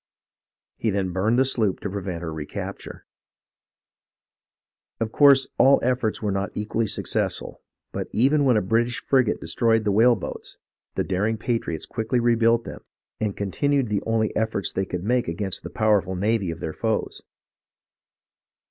He then burned the sloop to prevent her recapture." Of course all efforts were not equally successful, but even when a British frigate destroyed the whale boats, the daring patriots quickly rebuilt them, and continued the only efforts they could make against the powerful navy of their foes.